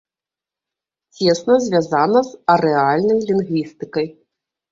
Цесна звязана з арэальнай лінгвістыкай.